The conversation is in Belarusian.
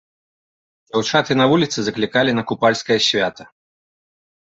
Дзяўчаты на вуліцы заклікалі на купальскае свята.